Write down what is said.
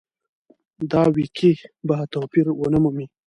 دا وییکې به توپیر ونه مومي.